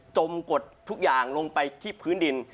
กดทุกอย่างลงไปที่พื้นดิน